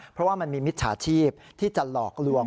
เพราะว่ามันมีมิจฉาชีพที่จะหลอกลวง